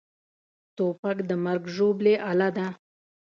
توپک د مرګ ژوبلې اله ده.